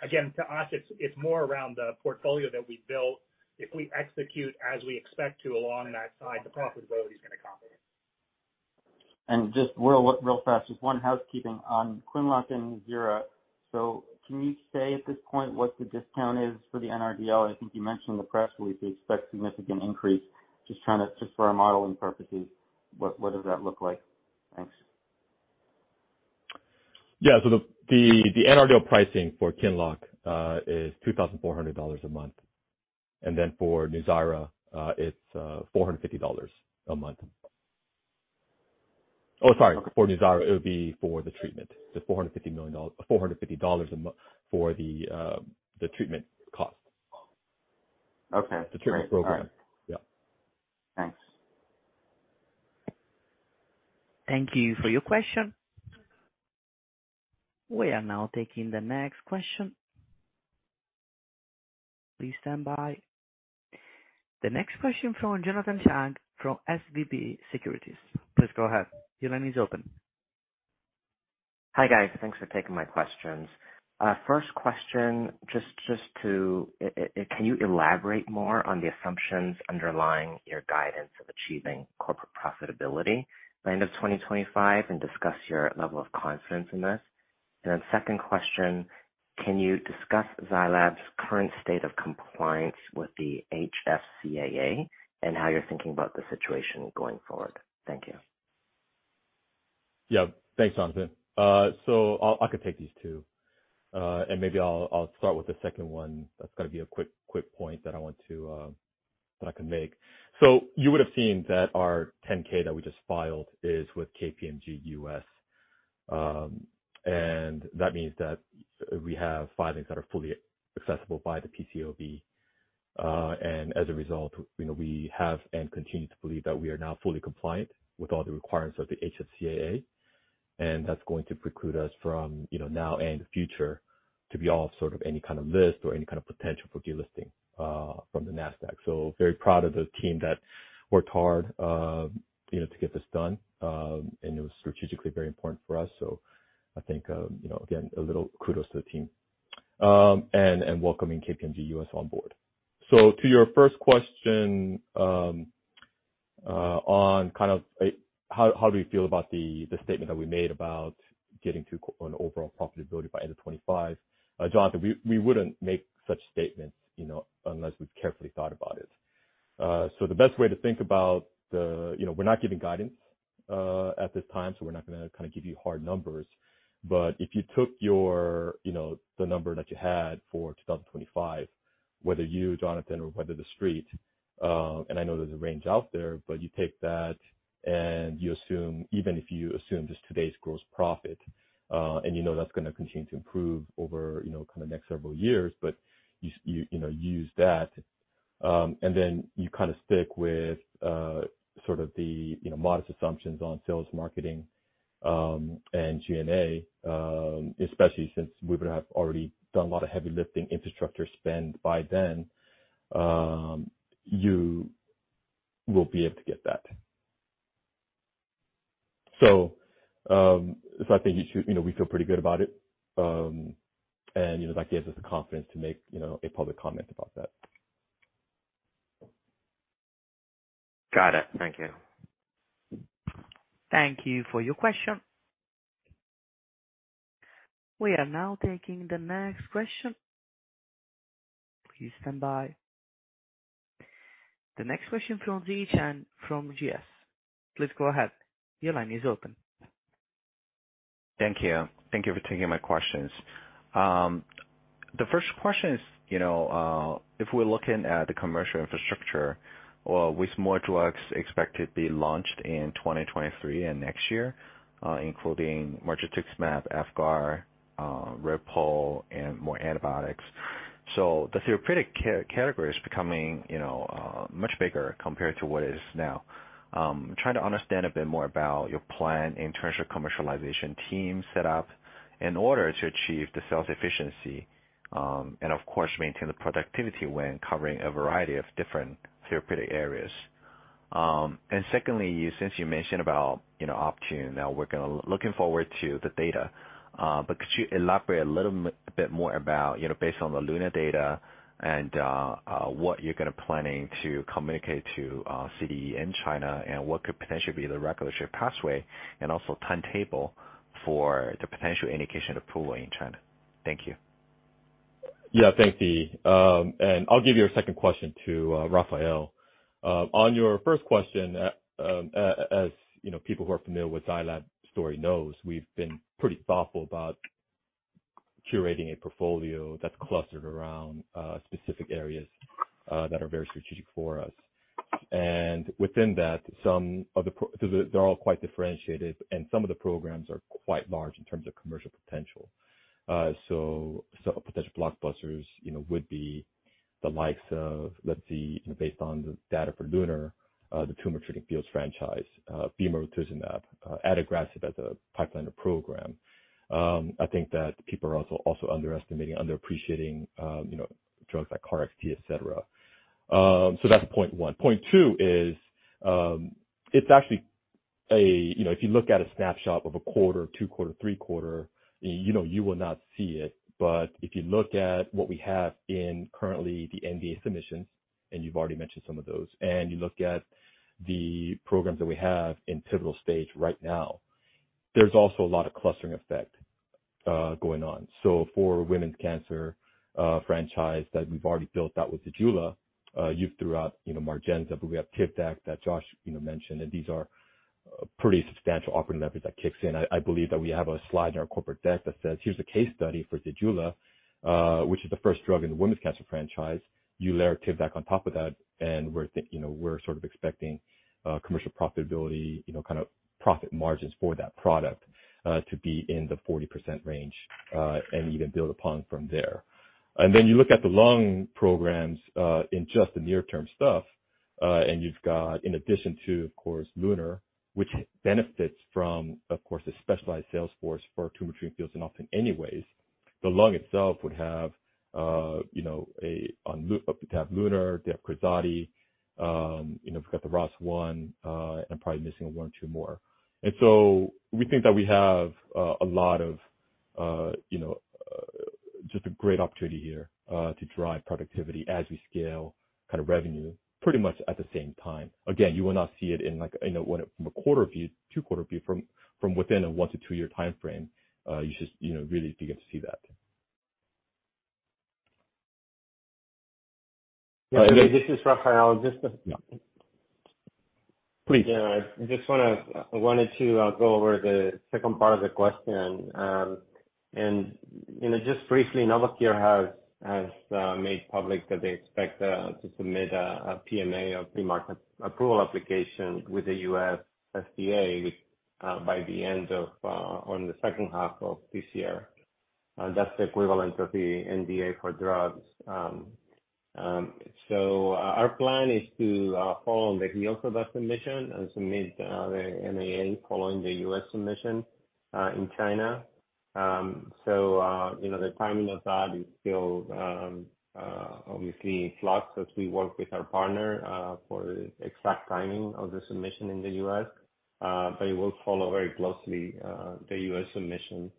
Again, to us, it's more around the portfolio that we built. If we execute as we expect to along that side, the profitability is gonna come. Just real fast, just one housekeeping on QINLOCK and NUZYRA. Can you say at this point what the discount is for the NRDL? I think you mentioned in the press release you expect significant increase. Just for our modeling purposes, what does that look like? Thanks. Yeah. The NRDL pricing for QINLOCK is $2,400 a month. For NUZYRA, it's $450 a month. Oh, sorry. For NUZYRA, it would be for the treatment. The $450 for the treatment cost. Okay. The treatment program. All right. Yeah. Thanks. Thank you for your question. We are now taking the next question. Please stand by. The next question from Jonathan Chang from SVB Securities. Please go ahead. Your line is open. Hi, guys. Thanks for taking my questions. Can you elaborate more on the assumptions underlying your guidance of achieving corporate profitability by end of 2025 and discuss your level of confidence in this? Second question, can you discuss Zai Lab's current state of compliance with the HFCAA and how you're thinking about the situation going forward? Thank you. Yeah. Thanks, Jonathan. I'll take these two. Maybe I'll start with the second one. That's got to be a quick point that I want to that I can make. You would have seen that our 10-K that we just filed is with KPMG US. That means that we have filings that are fully accessible by the PCAOB. As a result, you know, we have and continue to believe that we are now fully compliant with all the requirements of the HFCAA, that's going to preclude us from, you know, now and future to be off sort of any kind of list or any kind of potential for delisting from the Nasdaq. Very proud of the team that worked hard, you know, to get this done. It was strategically very important for us. I think, you know, again, a little kudos to the team. Welcoming KPMG US on board. To your first question, on kind of how do we feel about the statement that we made about getting to an overall profitability by end of 2025? Jonathan, we wouldn't make such statements, you know, unless we've carefully thought about it. The best way to think about the... You know, we're not giving guidance, at this time, so we're not gonna kind of give you hard numbers. If you took your, you know, the number that you had for 2025, whether you, Jonathan, or whether the Street, and I know there's a range out there, but you take that and you assume, even if you assume just today's gross profit, and you know that's gonna continue to improve over, you know, kind of next several years. You know, use that, and then you kind of stick with, sort of the, you know, modest assumptions on sales, marketing, and G&A, especially since we would have already done a lot of heavy lifting infrastructure spend by then, you will be able to get that. I think you should, you know, we feel pretty good about it. You know, that gives us the confidence to make, you know, a public comment about that. Got it. Thank you. Thank you for your question. We are now taking the next question. Please stand by. The next question from Ziyi Chen from GS. Please go ahead. Your line is open. Thank you. Thank you for taking my questions. The first question is, you know, if we're looking at the commercial infrastructure, well, with more drugs expected to be launched in 2023 and next year, including mirvetuximab, Efgar, repotrectinib, and more antibiotics. The therapeutic category is becoming, you know, much bigger compared to what it is now. Trying to understand a bit more about your plan in terms of commercialization team set up in order to achieve the sales efficiency, and of course, maintain the productivity when covering a variety of different therapeutic areas. Secondly, you, since you mentioned about, you know, Optune, now looking forward to the data. could you elaborate a little bit more about, you know, based on the LUNAR data and what you're gonna planning to communicate to CDE in China and what could potentially be the regulatory pathway and also timetable for the potential indication approval in China? Thank you. Yeah. Thanks, Dee. I'll give your second question to Rafael. On your first question, you know, people who are familiar with Zai Lab story knows, we've been pretty thoughtful about curating a portfolio that's clustered around specific areas that are very strategic for us. Within that, some of the They're all quite differentiated, and some of the programs are quite large in terms of commercial potential. So potential blockbusters, you know, would be the likes of, let's see, based on the data for LUNAR, the Tumor Treating Fields franchise, bemarituzumab, adagrasib as a pipeline of program. I think that people are underappreciating, you know, drugs like KarXT, et cetera. That's point one. Point two is, it's actually a... You know, if you look at a snapshot of a quarter, 2 quarter, 3 quarter, you know, you will not see it. If you look at what we have in currently the NDA submissions, and you've already mentioned some of those, and you look at the programs that we have in pivotal stage right now, there's also a lot of clustering effect going on. For women's cancer franchise that we've already built that with ZEJULA, you've threw out, you know, MARGENZA, but we have TIVDAK that Josh, you know, mentioned, and these are pretty substantial operating leverage that kicks in. I believe that we have a slide in our corporate deck that says, "Here's a case study for ZEJULA," which is the first drug in the women's cancer franchise. You layer TIVDAK on top of that, you know, we're sort of expecting commercial profitability, you know, kind of profit margins for that product to be in the 40% range and even build upon from there. You look at the lung programs in just the near-term stuff, you've got in addition to, of course, LUNAR, which benefits from, of course, a specialized sales force for Tumor Treating Fields and often anyways. The lung itself would have, you know, a, They have LUNAR, they have crizotinib, you know, we've got the ROS1, I'm probably missing one or two more. We think that we have a lot of, you know, just a great opportunity here to drive productivity as we scale kind of revenue pretty much at the same time. You will not see it in like, you know, from a quarter view, 2 quarter view from within a 1 to 2 year timeframe. You just, you know, really begin to see that. This is Rafael. Please. Yeah. I wanted to go over the second part of the question. You know, just briefly, Novocure has made public that they expect to submit a PMA or Premarket Approval Application with the US FDA on the second half of this year. That's the equivalent of the NDA for drugs. Our plan is to follow the Healx submission and submit the NDA following the US submission in China. You know, the timing of that is still obviously flocked as we work with our partner for exact timing of the submission in the US. It will follow very closely the US submission.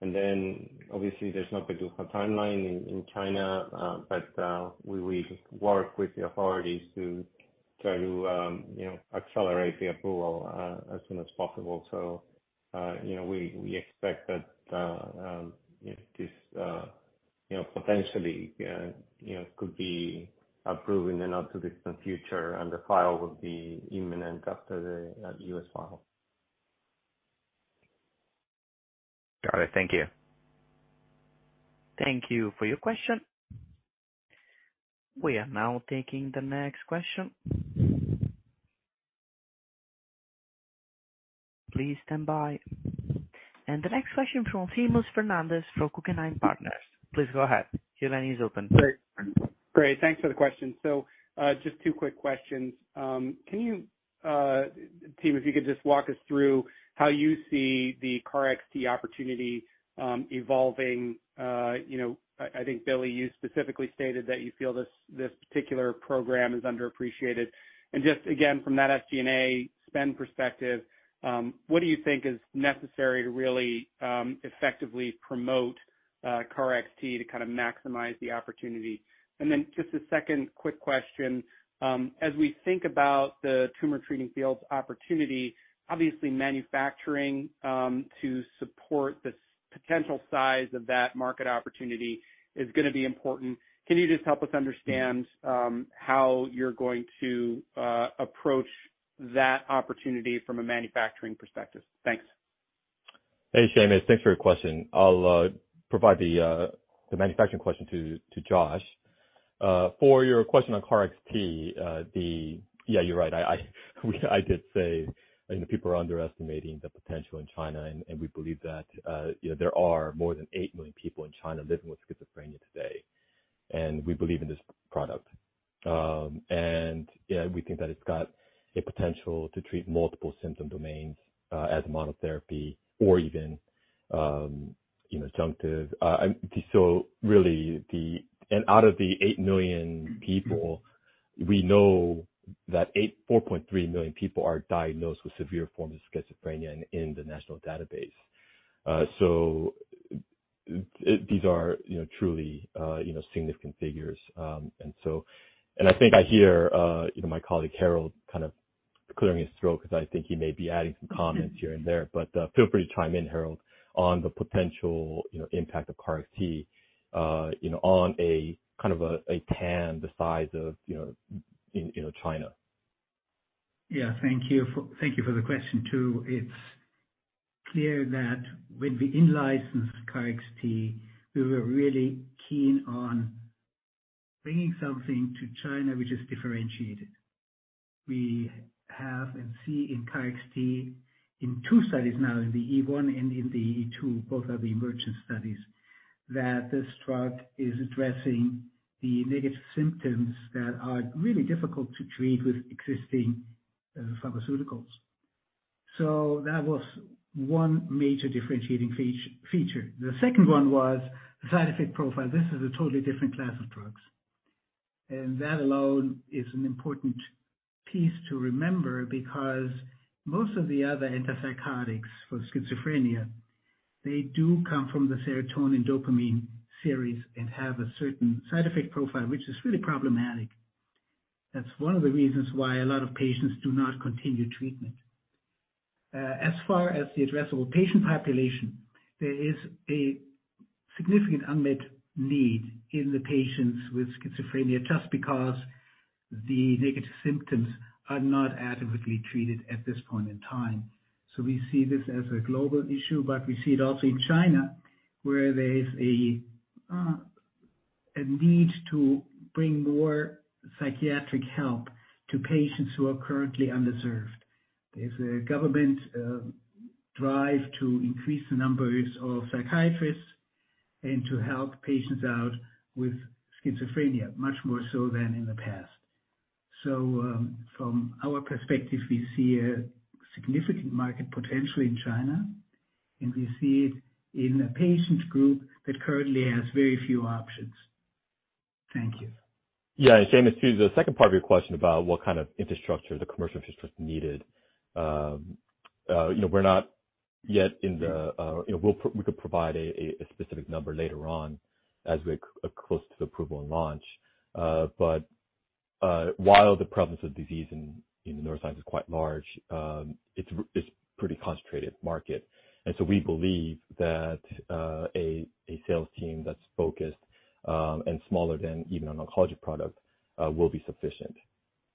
Then obviously there's no particular timeline in China, but, we will work with the authorities to try to, you know, accelerate the approval, as soon as possible. You know, we expect that, this, you know, potentially, you know, could be approved in the not-too-distant future and the file would be imminent after the, U.S. file. Got it. Thank you. Thank you for your question. We are now taking the next question. Please stand by. The next question from Seamus Fernandez for Guggenheim Partners. Please go ahead. Your line is open. Great. Great. Thanks for the question. Just 2 quick questions. Can you, team, if you could just walk us through how you see the KarXT opportunity evolving. You know, I think, Billy, you specifically stated that you feel this particular program is underappreciated. Just again, from that SG&A spend perspective, what do you think is necessary to really effectively promote KarXT to kind of maximize the opportunity? Just a second quick question. As we think about the Tumor Treating Fields opportunity, obviously manufacturing to support this potential size of that market opportunity is gonna be important. Can you just help us understand how you're going to approach that opportunity from a manufacturing perspective? Thanks. Hey, Seamus. Thanks for your question. I'll provide the manufacturing question to Josh. For your question on KarXT, Yeah, you're right. I did say, you know, people are underestimating the potential in China, and we believe that, you know, there are more than 8 million people in China living with schizophrenia today. We believe in this product. Yeah, we think that it's got a potential to treat multiple symptom domains as monotherapy or even, you know, adjunctive. Really out of the 8 million people, we know that 4.3 million people are diagnosed with severe forms of schizophrenia in the national database. These are, you know, truly, you know, significant figures. I think I hear, you know, my colleague, Harald, clearing his throat because I think he may be adding some comments here and there, but, feel free to chime in, Harald, on the potential, you know, impact of KarXT, you know, on a kind of a TAN the size of, you know, in, you know, China. Yeah. Thank you for the question, too. It's clear that when we in-licensed KarXT, we were really keen on bringing something to China which is differentiated. We have and see in KarXT in two studies now, in the EMERGENT-1 and in the EMERGENT-2, both are the EMERGENT studies, that this drug is addressing the negative symptoms that are really difficult to treat with existing pharmaceuticals. The second one was the side effect profile. This is a totally different class of drugs, and that alone is an important piece to remember because most of the other antipsychotics for schizophrenia, they do come from the serotonin dopamine series and have a certain side effect profile, which is really problematic. That's one of the reasons why a lot of patients do not continue treatment. As far as the addressable patient population, there is a significant unmet need in the patients with schizophrenia just because the negative symptoms are not adequately treated at this point in time. We see this as a global issue, but we see it also in China, where there is a need to bring more psychiatric help to patients who are currently underserved. There's a government drive to increase the numbers of psychiatrists and to help patients out with schizophrenia, much more so than in the past. From our perspective, we see a significant market potential in China, and we see it in a patient group that currently has very few options. Thank you. Yeah. Seamus, to the second part of your question about what kind of infrastructure, the commercial infrastructure is needed. You know, we're not yet in the, you know, we can provide a specific number later on as we're close to the approval and launch. While the prevalence of disease in the neurosciences is quite large, it's pretty concentrated market. We believe that a sales team that's focused and smaller than even an oncology product will be sufficient.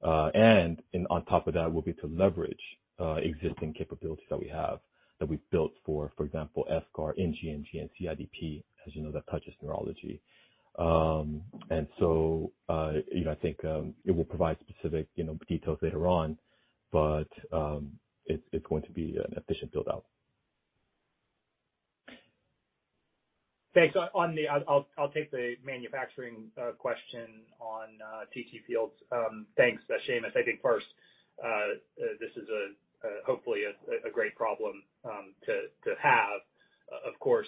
On top of that will be to leverage existing capabilities that we have that we've built for example, Efgar, gMG, and CIDP, as you know, that touches neurology. You know, I think, it will provide specific, you know, details later on, but, it's going to be an efficient build-out. Thanks. I'll take the manufacturing question on TTFields. Thanks, Seamus. I think first, this is a hopefully a great problem to have. Of course,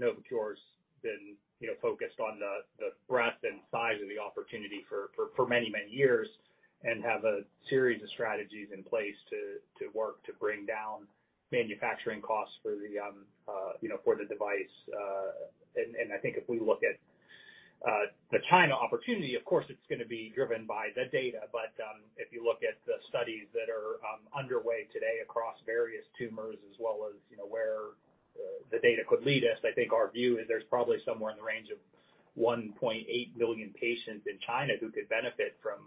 Novocure's been, you know, focused on the breadth and size of the opportunity for many, many years and have a series of strategies in place to work to bring down manufacturing costs for the, you know, for the device. I think if we look at the China opportunity, of course it's gonna be driven by the data. If you look at the studies that are underway today across various tumors as well as, you know, where the data could lead us, I think our view is there's probably somewhere in the range of 1.8 billion patients in China who could benefit from,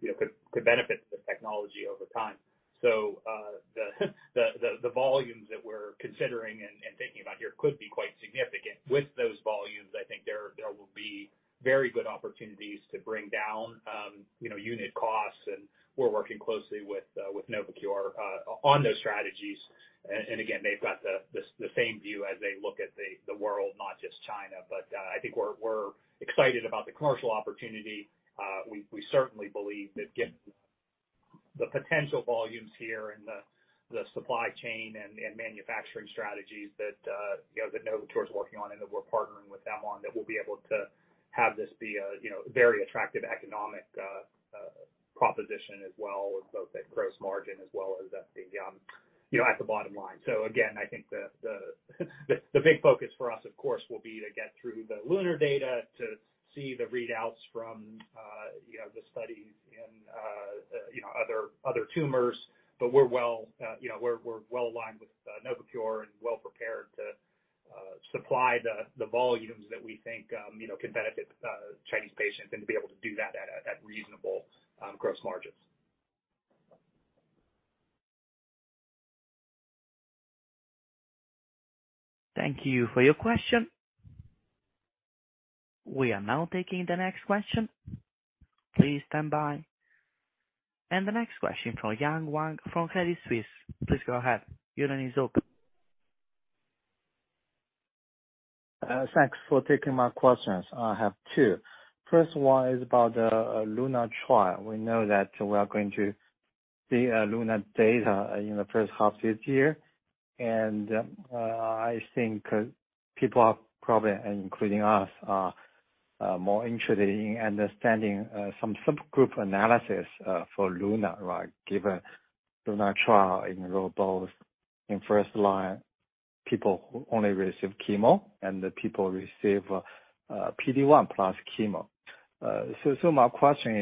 you know, could benefit from the technology over time. The volumes that we're considering and thinking about here could be quite significant. With those volumes, I think there will be very good opportunities to bring down, you know, unit costs, and we're working closely with Novocure on those strategies. Again, they've got the same view as they look at the world, not just China. I think we're excited about the commercial opportunity. We certainly believe that given the potential volumes here and the supply chain and manufacturing strategies that, you know, that Novocure is working on and that we're partnering with them on, that we'll be able to have this be a, you know, very attractive economic proposition as well with both the gross margin as well as at the, you know, at the bottom line. Again, I think the big focus for us, of course, will be to get through the LUNAR data to see the readouts from, you know, the studies in, you know, other tumors. We're well, you know, we're well-aligned with Novocure and well-prepared to supply the volumes that we think, you know, can benefit Chinese patients and to be able to do that at reasonable gross margins. Thank you for your question. We are now taking the next question. Please stand by. The next question from Yang Huang from Credit Suisse. Please go ahead. Your line is open. Thanks for taking my questions. I have two. First one is about LUNAR trial. We know that we are going to see LUNAR data in the first half this year. I think people are probably, including us, are more interested in understanding some subgroup analysis for LUNAR, right? Given LUNAR trial enrolled both in first-line people who only receive chemo and the people receive PD-1 plus chemo. My question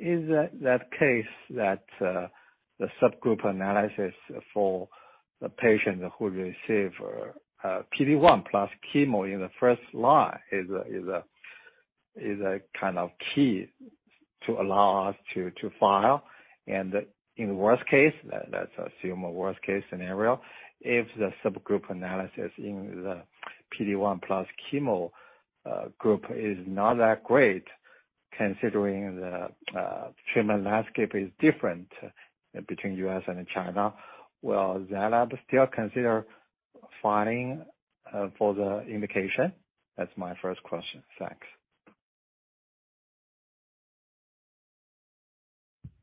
is that case that the subgroup analysis for the patient who receive PD-1 plus chemo in the first line is a kind of key to allow us to file and in the worst case, let's assume a worst case scenario, if the subgroup analysis in the PD-1 plus chemo group is not that great considering the treatment landscape is different between U.S. and China, will Zai Lab still consider filing for the indication? That's my first question. Thanks.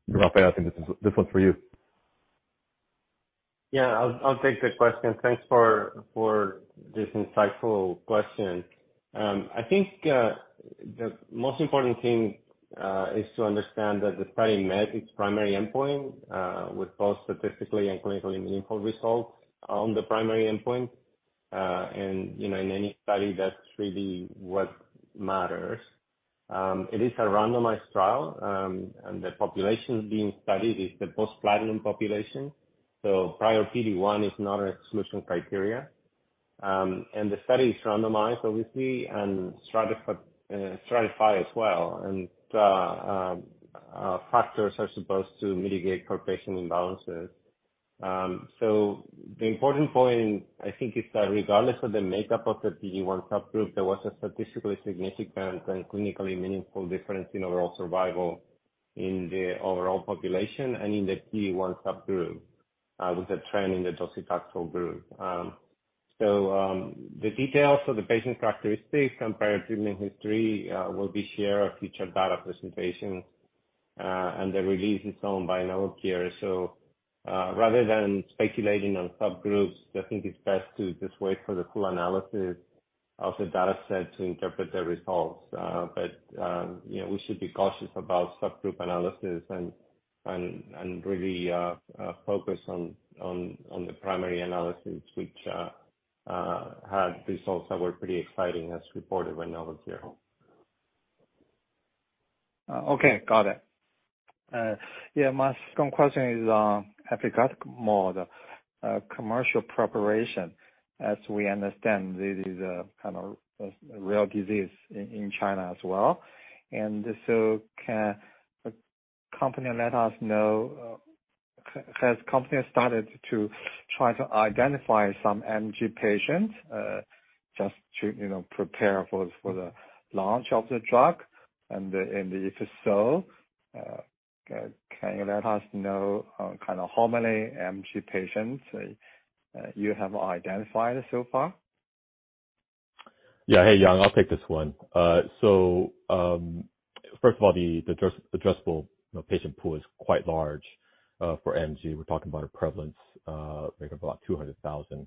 Rafael, I think this is, this one's for you. Yeah, I'll take the question. Thanks for this insightful question. I think the most important thing is to understand that the study met its primary endpoint, with both statistically and clinically meaningful results on the primary endpoint. You know, in any study, that's really what matters. It is a randomized trial, and the population being studied is the post platinum population, so prior PD-1 is not an exclusion criteria. The study is randomized, obviously, and stratified as well. Factors are supposed to mitigate for patient imbalances. The important point I think is that regardless of the makeup of the PD-1 subgroup, there was a statistically significant and clinically meaningful difference in overall survival in the overall population and in the PD-1 subgroup, with the trend in the docetaxel group. The details of the patient characteristics and prior treatment history, will be shared at future data presentations, and the release is owned by Novocure. Rather than speculating on subgroups, I think it's best to just wait for the full analysis of the data set to interpret the results. But, you know, we should be cautious about subgroup analysis and really focus on the primary analysis which had results that were pretty exciting as reported by Novocure. Okay. Got it. Yeah, my second question is on efgartigimod commercial preparation. As we understand, this is a kind of a rare disease in China as well. Can the company let us know, has company started to try to identify some MG patients, just to, you know, prepare for the launch of the drug? If so, can you let us know, kind of how many MG patients you have identified so far? Yeah. Hey, Yang, I'll take this one. First of all, the addressable, you know, patient pool is quite large for MG. We're talking about a prevalence, maybe about 200,000.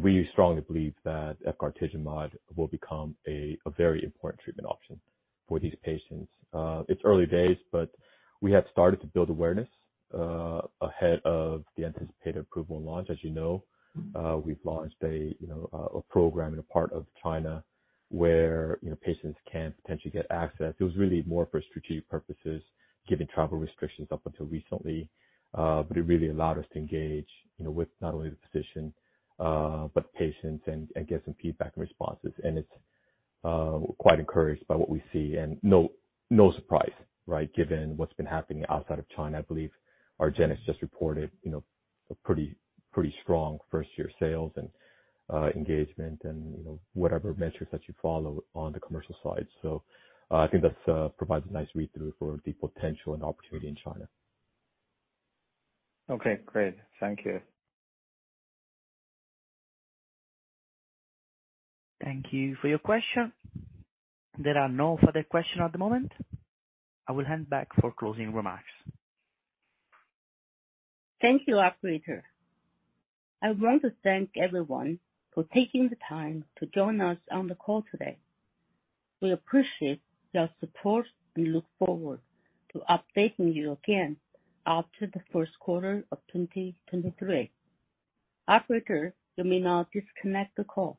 We strongly believe that efgartigimod will become a very important treatment option for these patients. It's early days, but we have started to build awareness ahead of the anticipated approval and launch. As you know, we've launched a program in a part of China where, you know, patients can potentially get access. It was really more for strategic purposes, given travel restrictions up until recently. It really allowed us to engage, you know, with not only the physician, but patients and get some feedback and responses. It's quite encouraged by what we see. No surprise, right? Given what's been happening outside of China. I believe argenx reported, you know, a pretty strong first-year sales and engagement and, you know, whatever metrics that you follow on the commercial side. I think that's provides a nice read-through for the potential and opportunity in China. Okay, great. Thank you. Thank you for your question. There are no further question at the moment. I will hand back for closing remarks. Thank you, operator. I want to thank everyone for taking the time to join us on the call today. We appreciate your support and look forward to updating you again after the Q1 of 2023. Operator, you may now disconnect the call.